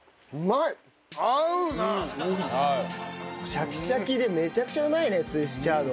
シャキシャキでめちゃくちゃうまいねスイスチャード。